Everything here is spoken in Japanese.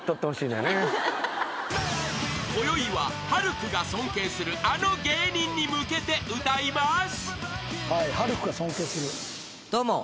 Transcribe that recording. ［こよいは晴空が尊敬するあの芸人に向けて歌います］